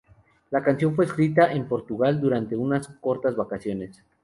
La canción fue escrita en Portugal durante unas cortas vacaciones.